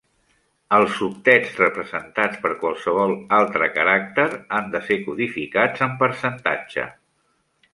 els octets representats per qualsevol altre caràcter han de ser codificats en percentatge.